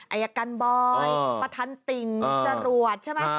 ไอกันบอยประทันติงจรวจใช่มั้ย